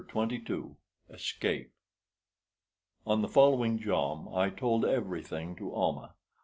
CHAPTER XXII ESCAPE On the following jom I told everything to Almah.